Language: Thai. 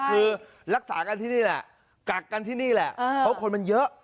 คือรักษากันที่นี่แหละกักกันที่นี่แหละเพราะคนมันเยอะ